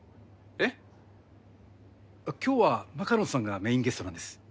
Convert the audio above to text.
あっ今日はマカロンさんがメインゲストなんです。